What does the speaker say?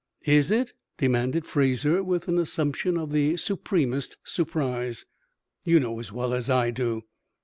"Is it?" demanded Fraser, with an assumption of the supremest surprise. "You know as well as I do."